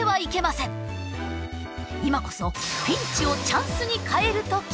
今こそピンチをチャンスに変える時！